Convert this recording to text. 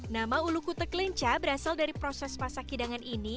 nama ulu kutek lenca berasal dari proses masak hidangan ini